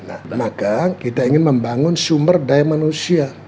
nah maka kita ingin membangun sumber daya manusia